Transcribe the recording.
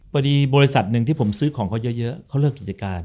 บริษัทหนึ่งที่ผมซื้อของเขาเยอะเขาเลิกกิจการ